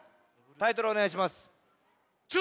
タイトルおねがいします。